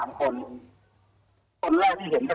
แล้วอีกคนนึงก็เปิดประตูหน้าต่างรถมา